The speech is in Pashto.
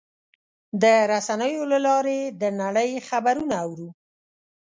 د رسنیو له لارې د نړۍ خبرونه اورو.